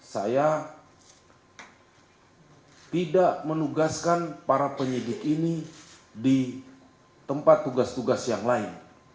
saya tidak menugaskan para penyidik ini di tempat tugas tugas yang lain